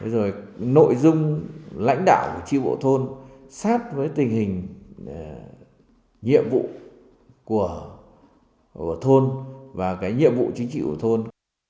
rồi nội dung lãnh đạo của tri bộ thôn sát với tình hình nhiệm vụ của thôn và cái nhiệm vụ chính trị của thôn